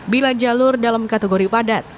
bila jalur dalam kategori padat